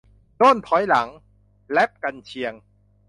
- ด้นถอยหลัง แร็ปกรรเชียง